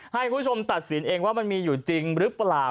ให้คุณผู้ชมตัดสินเองว่ามันมีอยู่จริงหรือเปล่า